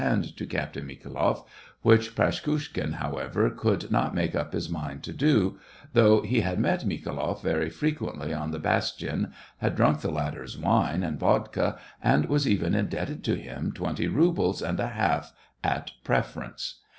^g hand to Captain MikhaYloff, which Praskukhin, however, could not make up his mind to do, though he had met Mikhailoff very frequently on the bastion, had drunk the latter's wine and vodka, and was even indebted to him twenty rubles and a half at preference.